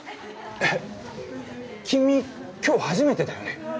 えっ君今日初めてだよね？